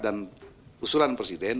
dan usulan presiden